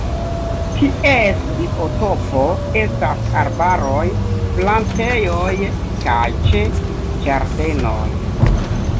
Ties biotopo estas arbaroj, plantejoj kaj ĉe ĝardenoj.